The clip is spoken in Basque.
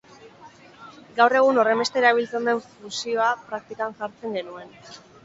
Gaur egun horrenbeste erabiltzen den fusioa praktikan jartzen genuen.